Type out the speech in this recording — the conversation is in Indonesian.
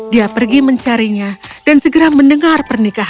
dia pergi mencarinya dan segera mendengar pernikahan